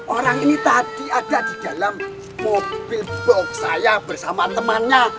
orang ini tadi ada di dalam mobil box saya bersama temannya